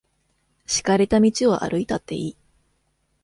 敷かれた道を歩いたっていい。